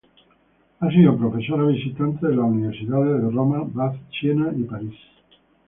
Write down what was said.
Ha sido profesora visitante de las Universidades de Roma, Bath, Siena y París.